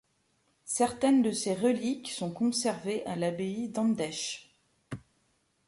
Certaines de ses reliques sont conservées à l'abbaye d'Andechs.